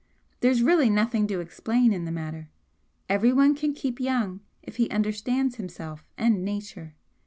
There's really nothing to explain in the matter. Everyone can keep young if he understands himself and Nature.